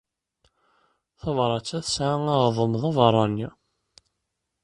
Tabṛat-a tesɛa aɣḍem d abeṛṛani.